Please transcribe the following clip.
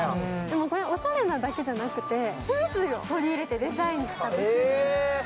おしゃれなだけじゃなくて、風水を取り入れてデザインしたんです。